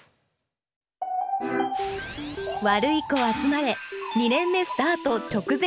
「ワルイコあつまれ２年目スタート直前！